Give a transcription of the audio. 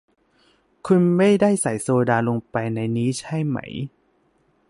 คุณไม่ได้ใส่โซดาลงไปในนี้ใช่ไหม